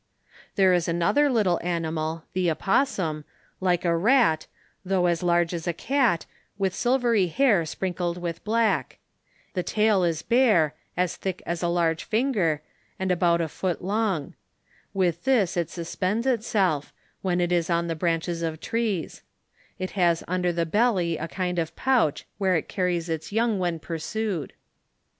There is another little animal (the opposum) like a rat, though as large as a cat, with silvery hair sprinkled with black. The tail is bare, as thick as a large finger, and about DISOOVBBIES IS THE MISSISSIPPI VALLET. 181 a rat, with about a foot long ; with this it suspends itself, when it is on the branches of trees. It has under the belly a kind of pouch, where it carries its young when pursued.